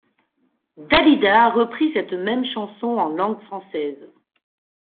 Dalida a repris cette même chanson en langue française.